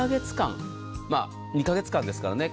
２カ月間ですからね。